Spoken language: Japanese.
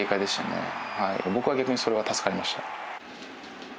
僕は逆にそれは助かりました。